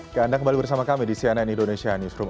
ya anda kembali bersama kami di cnn indonesia newsroom